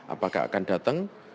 apakah akan datang